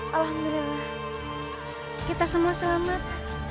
alhamdulillah kita semua selamat